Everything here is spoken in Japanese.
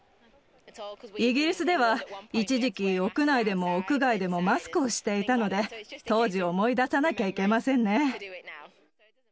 イギリスでは一時期、屋内でも屋外でもマスクをしていたので、当時を思い出さなきゃいけませんね。